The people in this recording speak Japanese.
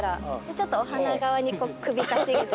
ちょっとお花側に首かしげて。